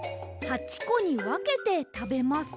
８こにわけてたべます。